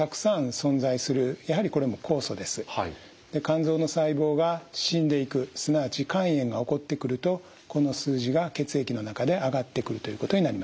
で肝臓の細胞が死んでいくすなわち肝炎が起こってくるとこの数字が血液の中で上がってくるということになります。